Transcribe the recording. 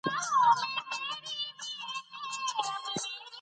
د ماشوم ساه د منډې له امله سوې وه.